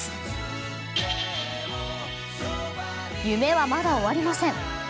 夢はまだ終わりません。